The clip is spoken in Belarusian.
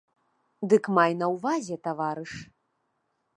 Дык май на ўвазе, таварыш!